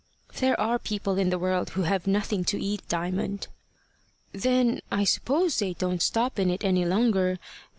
"There are people in the world who have nothing to eat, Diamond." "Then I suppose they don't stop in it any longer.